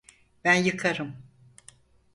Ben yıkarım.